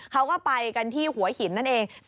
เขาก็ไปกันที่หัวหินนั่นเอง